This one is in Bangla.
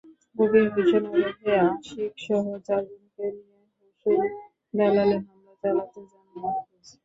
কবির হোসেন ওরফে আশিকসহ চারজনকে নিয়ে হোসেনি দালানে হামলা চালাতে যান মাহফুজ।